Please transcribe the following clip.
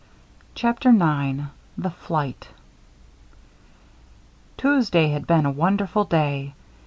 CHAPTER IX THE FLIGHT Tuesday had been a wonderful day.